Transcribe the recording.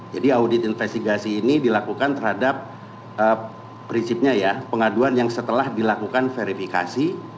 jadi audit investigasi ini dilakukan terhadap prinsipnya ya pengaduan yang setelah dilakukan verifikasi